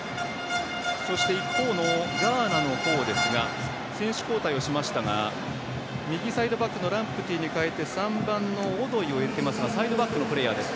一方のガーナの方ですが選手交代をしましたが右サイドバックのランプティに代えて３番のオドイを入れていますがサイドバックのプレーヤーです。